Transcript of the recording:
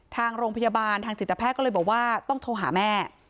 ทางโรงพยาบาลทางจิตแพทย์ก็เลยบอกว่าต้องโทรหาแม่